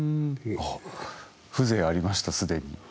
風情ありました既に。